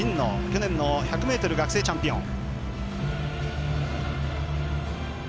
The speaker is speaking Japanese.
去年の１００ｍ学生チャンピオン。